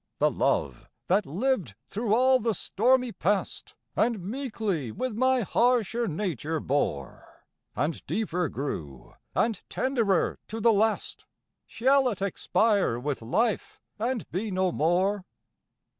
The love that lived through all the stormy past, And meekly with my harsher nature bore, And deeper grew, and tenderer to the last, Shall it expire with life, and be no more?